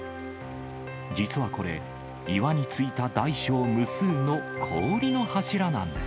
実はこれ、岩についた大小無数の氷の柱なんです。